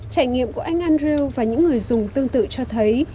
trải nghiệm của anh andrew và những người dùng tương tự cho thấy